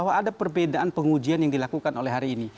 ini adalah kebedaan pengujian yang dilakukan oleh hari ini